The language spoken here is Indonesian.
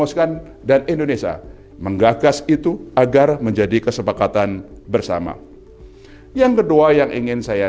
indonesia menggagas itu agar menjadi kesepakatan bersama yang kedua yang ingin saya